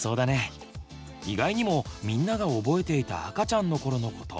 意外にもみんなが覚えていた赤ちゃんのころのこと。